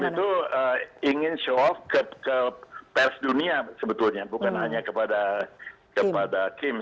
ya jadi trump itu ingin show off ke pers dunia sebetulnya bukan hanya kepada kim